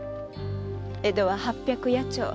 江戸は八百八町。